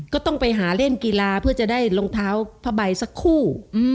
ก็ต้องไปหาเล่นกีฬาเพื่อจะได้รองเท้าผ้าใบสักคู่